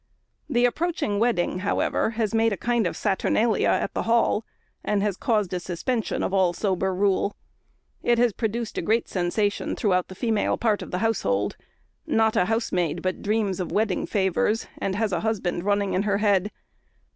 The approaching wedding, however, has made a kind of Saturnalia at the Hall, and has caused a suspension of all sober rule. It has produced a great sensation throughout the female part of the household; not a housemaid but dreams of wedding favours, and has a husband running in her head.